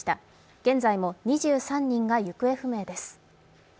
現在も２３人が行方不明です。